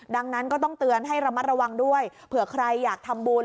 ดังนั้นก็ต้องเตือนให้ระมัดระวังด้วยเผื่อใครอยากทำบุญ